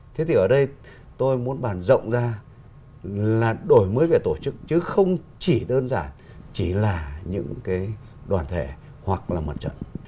thế thì ở đây tôi muốn bàn rộng ra là đổi mới về tổ chức chứ không chỉ đơn giản chỉ là những cái đoàn thể hoặc là mặt trận